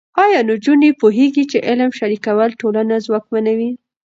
ایا نجونې پوهېږي چې علم شریکول ټولنه ځواکمنوي؟